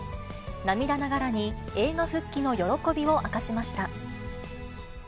涙ながらに映画復帰の喜びを明かしました。